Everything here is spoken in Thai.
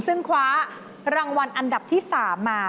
ซึ่งคว้ารางวัลอันดับที่๓มา